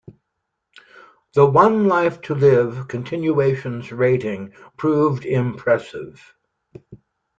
The "One Life to Live" continuation's ratings proved impressive.